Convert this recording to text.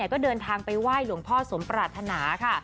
ก็เดินทางไปไหว้หลวงพ่อสมปรารถนาค่ะ